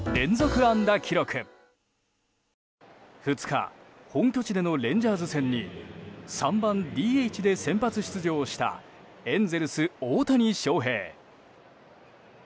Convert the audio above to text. ２日、本拠地でのレンジャーズ戦に３番ＤＨで先発出場したエンゼルス、大谷翔平。